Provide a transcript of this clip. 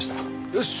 よし！